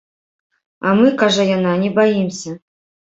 А мы, кажа яна, не баімся.